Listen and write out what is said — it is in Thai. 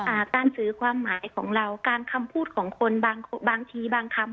อ่าการสื่อความหมายของเราการคำพูดของคนบางบางทีบางคำ